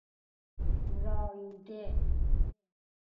زاییده